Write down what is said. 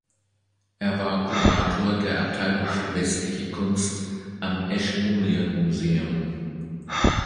Er war Kurator der Abteilung für Westliche Kunst am Ashmolean Museum.